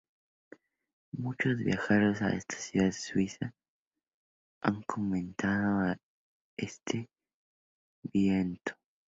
Muchos viajeros extranjeros a esta ciudad suiza han comentado este viento.